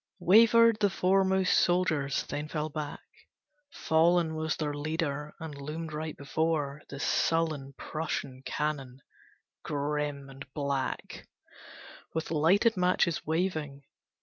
Wavered the foremost soldiers, then fell back. Fallen was their leader, and loomed right before The sullen Prussian cannon, grim and black, With lighted matches waving.